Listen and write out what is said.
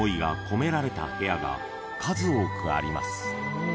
［数多くあります］